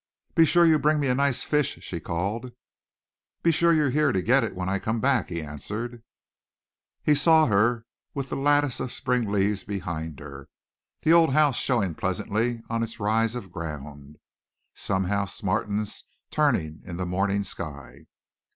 "Be sure you bring me a nice fish," she called. "Be sure you're here to get it when I come back," he answered. He saw her with the lattice of spring leaves behind her, the old house showing pleasantly on its rise of ground, some house martens turning in the morning sky.